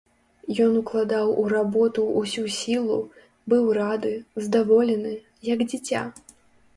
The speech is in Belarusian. Ён укладаў у работу ўсю сілу, быў рады, здаволены, як дзіця.